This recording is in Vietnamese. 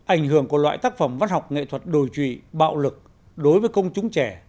ảnh hưởng của loại tác phẩm văn học nghệ thuật đồi trụy bạo lực đối với công chúng trẻ